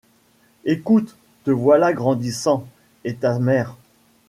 Ecoute. Te voilà grandissant, et ta mère